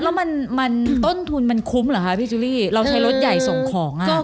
แล้วมันมันต้นทุนมันคุ้มเหรอคะพี่จุลี่เราใช้รถใหญ่ส่งของอ่ะ